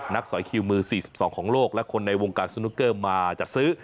สอยคิวมือ๔๒ของโลกและคนในวงการสนุกเกอร์มาจัดซื้อ